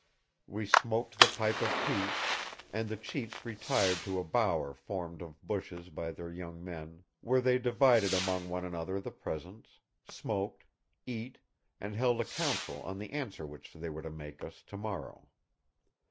We smoked the pipe of peace, and the chiefs retired to a bower formed of bushes by their young men, where they divided among one another the presents, smoked, eat, and held a council on the answer which they were to make us to morrow.